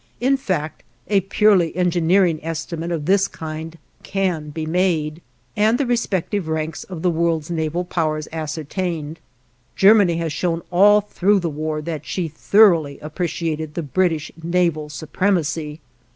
In fact, a purely engineering estimate of this kind can be made, and the respective ranks of the world's naval powers ascertained. Germany has shown all through the war that she thoroughly appreciated the British naval supremacy.